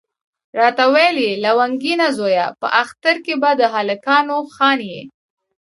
راته ویل یې لونګینه زویه په اختر کې به د هلکانو خان یې.